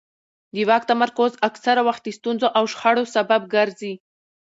د واک تمرکز اکثره وخت د ستونزو او شخړو سبب ګرځي